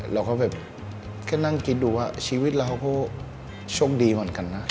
เราก็แบบแค่นั่งคิดดูว่าชีวิตเราเขาก็โชคดีเหมือนกันนะ